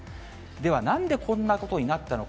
では、なんでこんなことになったのか。